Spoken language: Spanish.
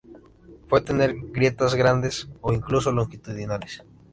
Puede tener grietas grandes o incluso, longitudinales.